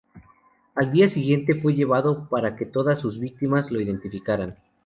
Al día siguiente fue llevado para que todas sus víctimas lo identificaran.